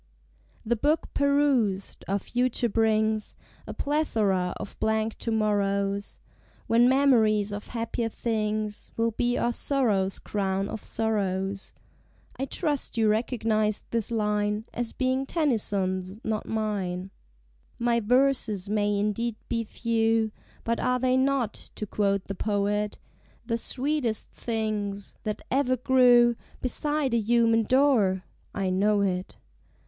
The Book perused, our Future brings A plethora of blank to morrows, When memories of Happier Things Will be our Sorrow's Crown of Sorrows. (I trust you recognize this line As being Tennyson's, not mine.) My verses may indeed be few, But are they not, to quote the poet, "The sweetest things that ever grew Beside a human door"? I know it.